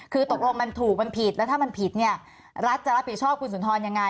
คือตกลงมันถูกมันผิดแล้วถ้ามันผิดเนี่ยรัฐจะรับผิดชอบคุณสุนทรยังไง